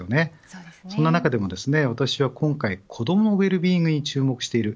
その中でも私は、今回子どもウェルビーイングに注目している。